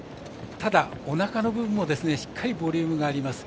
ただ、おなかの部分しっかりボリュームがあります。